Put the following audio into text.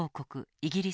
イギリス